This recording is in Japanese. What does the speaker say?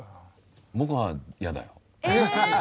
僕は嫌だよ。え？